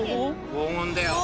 黄金だよ。